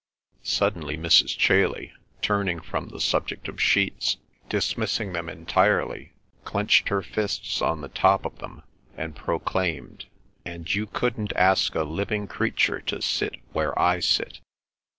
Suddenly Mrs. Chailey, turning from the subject of sheets, dismissing them entirely, clenched her fists on the top of them, and proclaimed, "And you couldn't ask a living creature to sit where I sit!"